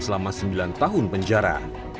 selama sembilan tahun penjara